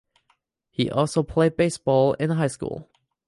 He also played baseball in high school.